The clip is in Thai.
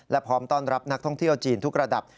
และพร้อมต้อนรับนักท่องเที่ยวจีนทุกระดับ